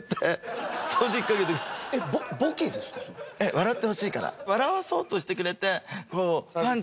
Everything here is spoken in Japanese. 笑ってほしいから。